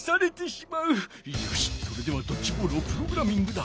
よしそれではドッジボールをプログラミングだ。